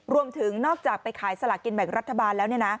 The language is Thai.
รวมถึงนอกจากไปขายสลากินแบ่งรัฐบาลแล้ว